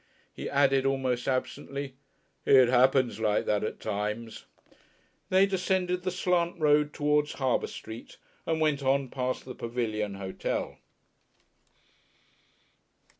He added almost absently: "It happens like that at times." They descended the slant road towards Harbour Street and went on past the Pavilion Hotel.